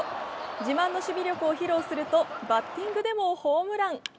自慢の守備力を披露するとバッティングでもホームラン。